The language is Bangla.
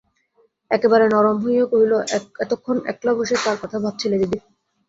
একেবারে নরম হইয়া কহিল, এতক্ষণ একলা বসে কার কথা ভাবছিলে দিদি?